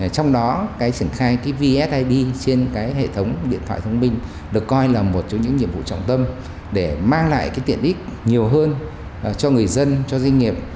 trong đó cái triển khai vsid trên cái hệ thống điện thoại thông minh được coi là một trong những nhiệm vụ trọng tâm để mang lại cái tiện ích nhiều hơn cho người dân cho doanh nghiệp